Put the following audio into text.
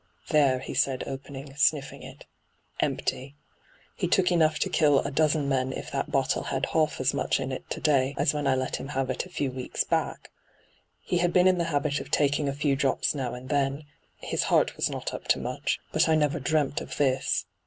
' There,' he said, opening, sniffing it —' empty ! He took enough to kill a dozen men if that bottle had half as much in it to day as when I let him have it a few weeks back ! He had been in the habit of taking a few drops now and then — his heart was not up to much — but I never dreamt of this.